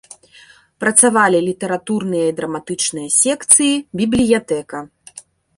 Працавалі літаратурныя і драматычныя секцыі, бібліятэка.